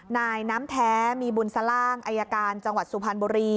นายน้ำแท้มีบุญสล่างอายการจังหวัดสุพรรณบุรี